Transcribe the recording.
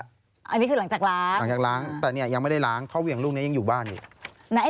อันนี้คือหลังจากล้างหลังจากล้างแต่เนี่ยยังไม่ได้ล้างเพราะเหวี่ยงลูกนี้ยังอยู่บ้านอีก